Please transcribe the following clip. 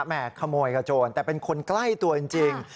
ขโมยกับโจรแต่เป็นคนใกล้ตัวจริง